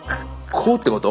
こうってこと？